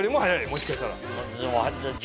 もしかしたら。